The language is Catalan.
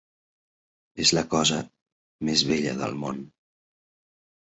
És la cosa més bella del món.